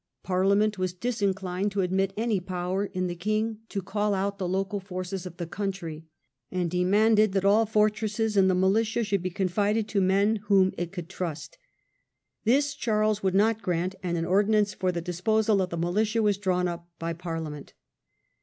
Parlia ment was disinclined to admit any power in the king to Preparing for call out the local forces of the country, and war. ift4a. demanded that all fortresses and the militia should be confided to men whom it could trust. This Charles would not grant, and an ordinance for the dis posal of the militia was drawn up by Parliament.